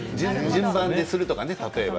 順番にするとか例えば。